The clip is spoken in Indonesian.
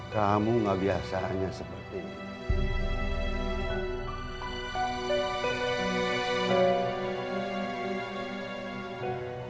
kamu gak biasanya seperti ini